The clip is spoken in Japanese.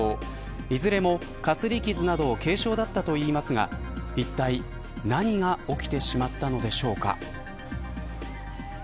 いずれも、かすり傷など軽傷だったといいますがいったい何が起きてしまったのでしょうか。